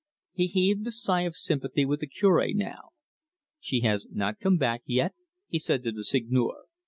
He heaved a sigh of sympathy with the Cure now. "She has not come back yet?" he said to the Seigneur.